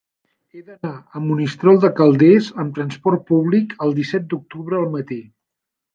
He d'anar a Monistrol de Calders amb trasport públic el disset d'octubre al matí.